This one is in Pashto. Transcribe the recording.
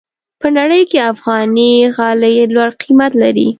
په نړۍ کې افغاني غالۍ لوړ قیمت لري.